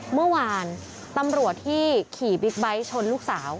เมื่อวานตำรวจที่ขี่บิ๊กไบท์ชนลูกสาว